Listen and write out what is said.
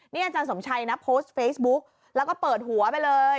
นี่อาจารย์สมชัยนะโพสต์เฟซบุ๊กแล้วก็เปิดหัวไปเลย